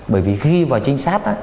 bởi vì khi vào chính sách á